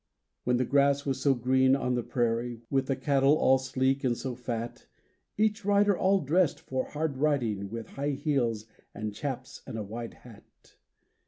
When the grass was so green on the prairie, With the cattle all sleek and so fat, Each rider all dressed for hard riding, With high heels and chaps and wide hat.